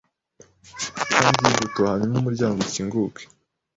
Kanda iyi buto hanyuma umuryango ukingure